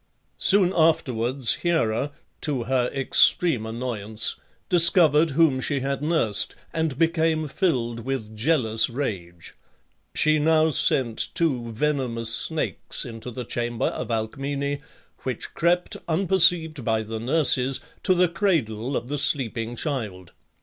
Soon afterwards Hera, to her extreme annoyance, discovered whom she had nursed, and became filled with jealous rage. She now sent two venomous snakes into the chamber of Alcmene, which crept, unperceived by the nurses, to the cradle of the sleeping child.